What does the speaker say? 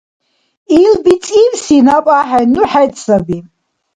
Ил бицӀибси наб ахӀенну, хӀед саби.